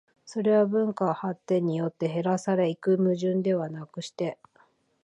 それは文化発展によって減ぜられ行く矛盾ではなくして、